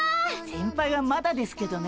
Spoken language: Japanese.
先輩はまだですけどね。